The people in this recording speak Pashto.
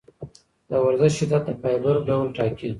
د ورزش شدت د فایبر ډول ټاکي.